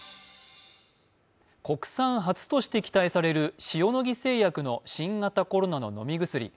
国産初として期待される塩野義製薬の新型コロナの飲み薬。